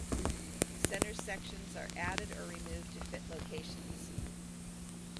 Centre sections are added or removed to fit locations.